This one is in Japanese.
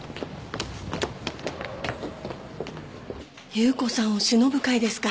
夕子さんをしのぶ会ですか。